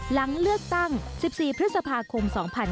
หลังเลือกตั้ง๑๔พฤษภาคม๒๕๕๙